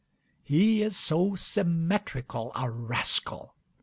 He is so symmetrical a rascal!